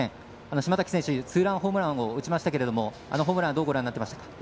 島瀧選手もツーランホームランを打ちましたけれどもあのホームランはどうご覧になってましたか？